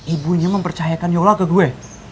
ibunya mempercayakan yola ke gue